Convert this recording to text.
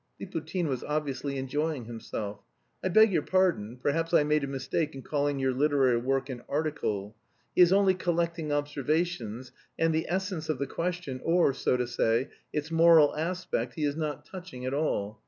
Liputin was obviously enjoying himself. "I beg your pardon, perhaps I made a mistake in calling your literary work an article. He is only collecting observations, and the essence of the question, or, so to say, its moral aspect he is not touching at all.